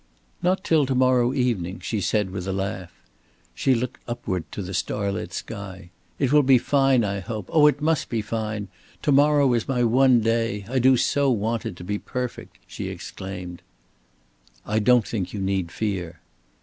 "Not till to morrow evening," she said, with a laugh. She looked upward to the starlit sky. "It will be fine, I hope. Oh, it must be fine. To morrow is my one day. I do so want it to be perfect," she exclaimed. "I don't think you need fear."